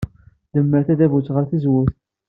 Demmer tadabut ɣer tzewwut.